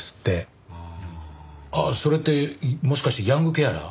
ああそれってもしかしてヤングケアラー？